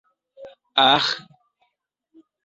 aĥ